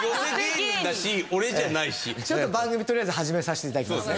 ちょっと番組とりあえず始めさせて頂きますね。